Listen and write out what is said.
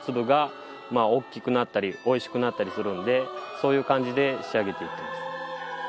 そういう感じで仕上げていっています。